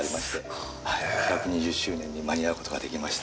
すごい。１２０周年に間に合う事ができました。